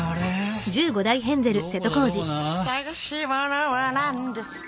「探しものは何ですか？」